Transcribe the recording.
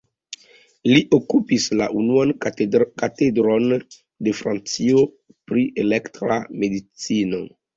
Li okupis la unuan katedron de Francio pri elektra medicino.